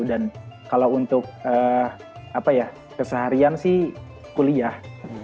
dan kalau untuk keseharian sih kuliah